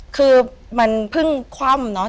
คือมันเพิ่งคว่ำเนอะ